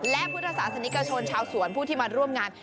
และพุทธศาสนิกชนชาวสวนผู้ที่มาร่วมงาน